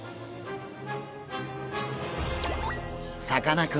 さかなクン